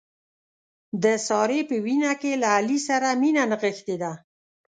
د سارې په وینه کې له علي سره مینه نغښتې ده.